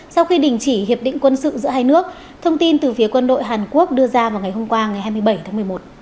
sau khi đình chỉ hiệp định quân sự giữa hai nước thông tin từ phía quân đội hàn quốc đưa ra vào ngày hôm qua ngày hai mươi bảy tháng một mươi một